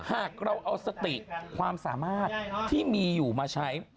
หากเราเอาสติความสามารถที่มีอยู่มาใช้